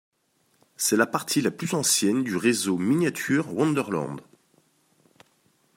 C'est la partie la plus ancienne du réseau Miniatur-Wunderland.